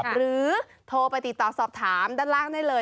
หรือโทรไปติดต่อสอบถามด้านล่างได้เลย